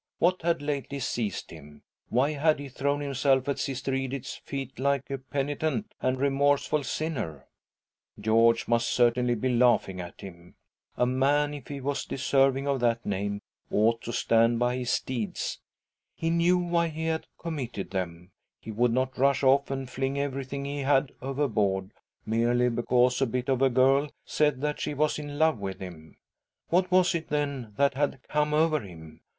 What W had lately s^ed J m? Why had he thrown himself at Siste Edith's fee" like a penitent and remorseful sinner ? George must certainly he laughing at htm • if he was deserving of that name, ought to stand I his deeds he knew why .he had committed II He would not rush on and ntog every htng he had overboard, merely because a bit of a girl sL that she was in love with Mm. Whaw tt then that had come over him?